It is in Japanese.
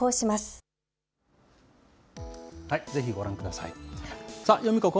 ぜひご覧ください。